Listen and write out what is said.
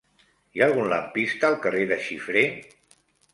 Hi ha algun lampista al carrer de Xifré?